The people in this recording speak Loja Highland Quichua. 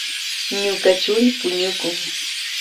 Ñuka churi puñukun.